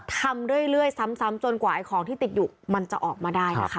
ทำเรื่อยซ้ำจนกว่าของที่ติดอยู่มันจะออกมาได้นะคะ